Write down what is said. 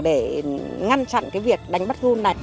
để ngăn chặn việc đánh bắt run này